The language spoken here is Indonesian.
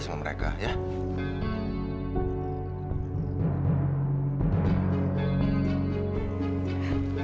kamu bisa berjaga jaga